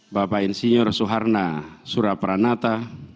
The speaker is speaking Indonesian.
bapak insinyur suharnaya surapranata